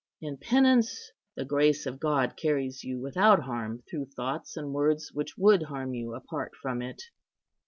In penance, the grace of God carries you without harm through thoughts and words which would harm you apart from it."